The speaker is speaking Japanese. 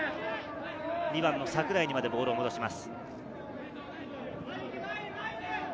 ２番の櫻井にまでボールを戻します。